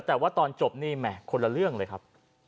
แต่ว่าตอนจบนี่แหมคนละเรื่องเลยครับ